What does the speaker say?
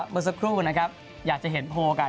เมื่อสักครู่นะครับอยากจะเห็นโพลกัน